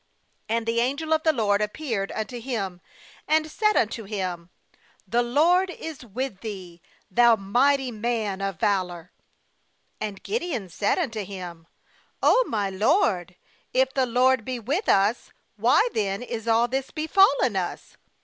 12And the angel of the LORD appeared unto him, and said 'unto him: 'The LORD is with thee, thou mighty man of valour.' ^And Gideon said unto him: 'Oh, my lord, if the LORD be with us, wny then is all this befallen us?